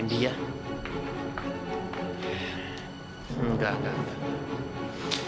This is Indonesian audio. enggak enggak enggak